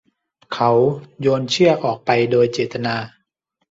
เขาโยนเชือกออกไปโดยเจตนา